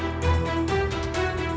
ini bukan kesalahan kalian